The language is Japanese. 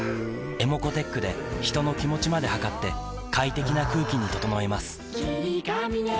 ｅｍｏｃｏーｔｅｃｈで人の気持ちまで測って快適な空気に整えます